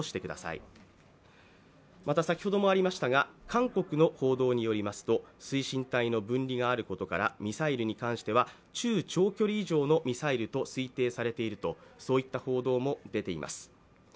韓国の報道によりますと、推進体の分離があることから、ミサイルに関しては中・長距離以上のミサイルと推定されているという報道も出ています。